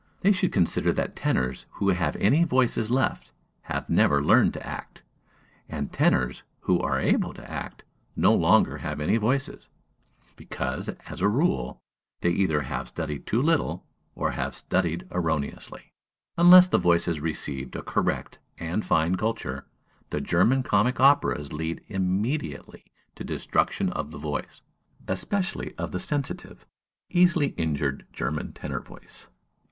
They should consider that tenors who have any voices left have never learned to act, and tenors who are able to act no longer have any voices; because, as a rule, they either have studied too little, or have studied erroneously. Unless the voice has received a correct and fine culture, the German comic operas lead immediately to destruction of the voice, especially of the sensitive, easily injured German tenor voice.